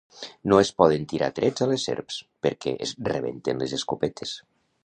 No es poden tirar trets a les serps, perquè es rebenten les escopetes.